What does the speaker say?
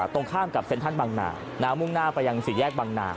ตรงข้ามกับเซ็นทรัลบางนานมุ่งหน้าไปยังสี่แยกบางนา